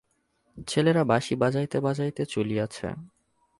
ছেলেরা বাঁশি বাজাইতে বাজাইতে চলিয়াছে।